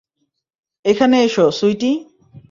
এখানে এসো, সুইটি।